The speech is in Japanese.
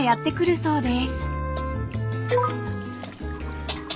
そうです。